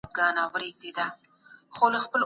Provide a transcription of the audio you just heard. ټولنیز علوم د خلګو ژوند مطالعه کوي.